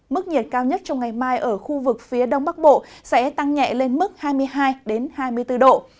mức nhiệt cao nhất trong ngày mai ở khu vực phía đông bắc bộ sẽ tăng nhẹ lên mức hai mươi hai hai mươi bốn độ